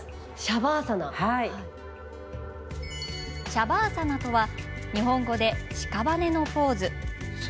シャバーサナとは、日本語でしかばねのポーズ。